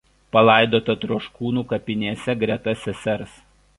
Palaidota Troškūnų kapinėse greta sesers.